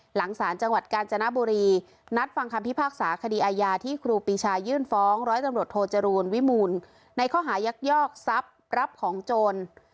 หลังศาลจังหวัดกาญจนบุรีนัดฟังคำพิพากษาคดีอาญาที่ครูปีชายื่นฟ้องร้อยตำรวจโทจรูลวิมูลในข้อหายักยอกทรัพย์รับของโจร